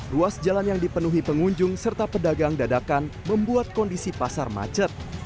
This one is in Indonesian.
ruas jalan yang dipenuhi pengunjung serta pedagang dadakan membuat kondisi pasar macet